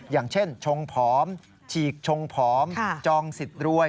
อย่างเช่นชงผอมฉีกชงผอมจองสิทธิ์รวย